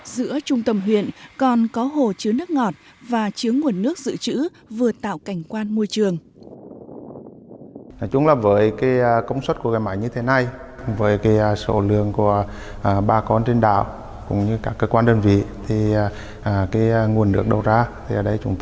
giữa trung tâm huyện còn có hồ chứa nước ngọt và chứa nguồn nước dự trữ